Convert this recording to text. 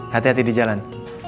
hati hati di jalan